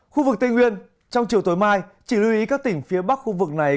khu vực tây nguyên trong chiều tối mai chỉ lưu ý các tỉnh phía bắc khu vực này